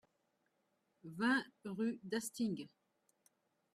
vingt rue d'Hastings